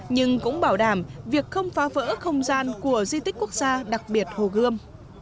nhưng cũng bảo đảm việc không phá vỡ không gian của di tích quốc gia đặc biệt hồ gươm